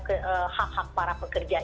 dan hak hak para pekerja